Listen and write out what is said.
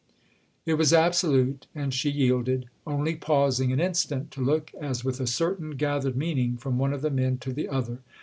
It was absolute and she yielded; only pausing an instant to look as with a certain gathered meaning from one of the men to the other.